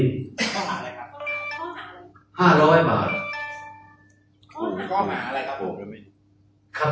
ต้องหาอะไรครับ